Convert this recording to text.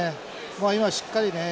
今しっかりね